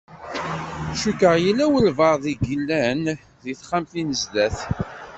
Cukkeɣ yella walebɛaḍ i yellan di texxamt-nni n zdat.